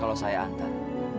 kalau saya antar